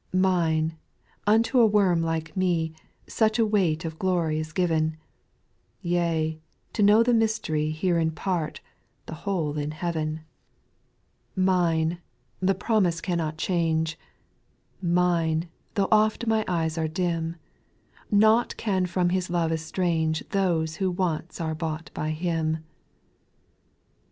7. Mine, — unto a worm like me, Such a weight of glory 's given ; Yea — to know the mystery Here in part — the whole in heaveiu 27 802 SPIRITUAL SONGS. 8. Mine, the promise cannot change, Mine, though oft my eyes are dim ;— Nought can from His love estrange Those who once are bought by Him.